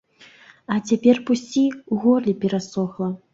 А цяпер пусці, у горле перасохла.